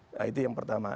nah itu yang pertama